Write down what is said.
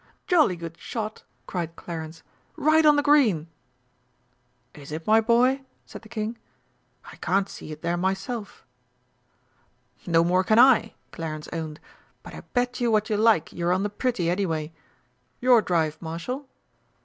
"Jolly good shot!" cried Clarence. "Right on the green!" "Is it, my boy?" said the King. "I can't see it there myself." "No more can I," Clarence owned, "but I bet you what you like you're on the pretty, anyway. Your drive, Marshal."